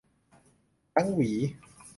ทั้งหวี